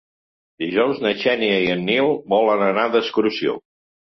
Dijous na Xènia i en Nil volen anar d'excursió.